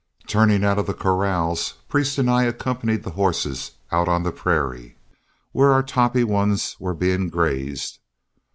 Turning out of the corrals, Priest and I accompanied the horses out on the prairie where our toppy ones were being grazed.